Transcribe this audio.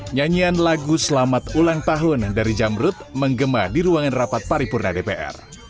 nyanyian lagu selamat ulang tahun dari jamrut menggema di ruangan rapat paripurna dpr